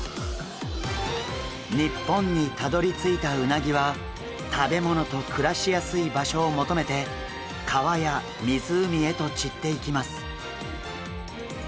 日本にたどりついたうなぎは食べ物と暮らしやすい場所を求めて川や湖へと散っていきます。